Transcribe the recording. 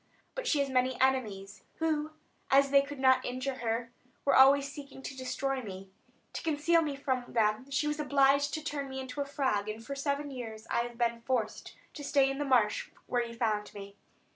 But she has many enemies, who, as they could not injure her, were always seeking to destroy me. To conceal me from them she was obliged to turn me into a frog; and for seven years I have been forced to stay in the marsh where you found me.